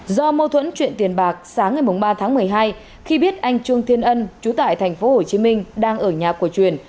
do mâu thuẫn chuyện tiền bạc sáng ngày ba tháng một mươi hai khi biết anh trương thiên ân chú tại tp hcm đang ở nhà của truyền